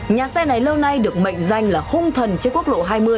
nhà xe này lâu nay được mệnh danh là hung thần trên quốc lộ hai mươi